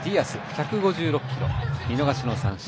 １５６キロ、見逃しの三振。